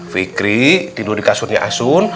fikri tidur di kasurnya asun